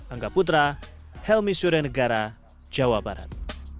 angga putra helmi suren negara jawa barat